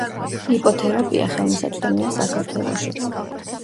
იპოთერაპია ხელმისაწვდომია საქართველოშიც.